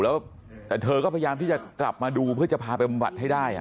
แล้วแต่เธอก็พยายามที่จะกลับมาดูเพื่อจะพาไปบำบัดให้ได้